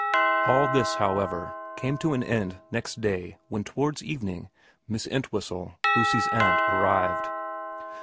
ALL this, however, came to an end next day when towards evening Miss Entwhistle, Lucy's aunt, arrived.